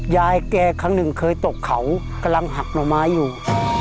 ยายแกครั้งหนึ่งเคยตกเขากำลังหักหน่อไม้อยู่